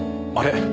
あれ？